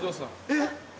えっ？